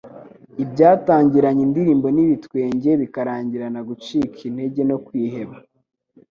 Ibyatangiranye indirimbo n’ibitwenge bikarangirana gucika intege no kwiheba.